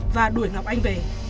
và đuổi ngọc anh về